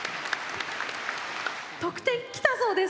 得点きたそうです。